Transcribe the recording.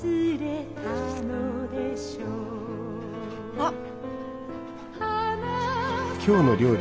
あっ。